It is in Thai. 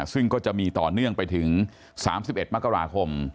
ซึ่งก็จะมีต่อเนื่องไปถึง๓๑มกราคม